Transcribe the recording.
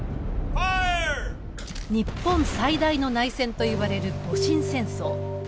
日本最大の内戦といわれる戊辰戦争。